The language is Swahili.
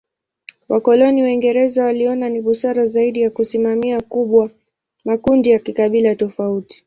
Wakoloni Waingereza waliona ni busara zaidi ya kusimamia kubwa makundi ya kikabila tofauti.